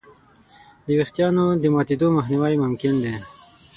د وېښتیانو د ماتېدو مخنیوی ممکن دی.